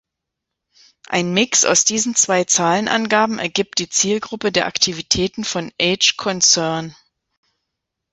Ein Mix aus diesen zwei Zahlenangaben ergibt die Zielgruppe der Aktivitäten von "Age Concern".